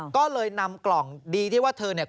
ก็เลยนำกล่องดีที่ว่าเธอเนี่ย